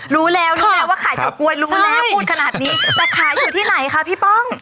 แต่ขายอยู่ที่ไหนคะพี่ป้อง